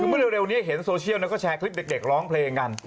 เร็วนี้แบบเล่วเห็นเมื่อโซเชียลแล้วก็แชร์ทลิปเด็กร้องเพลงกัน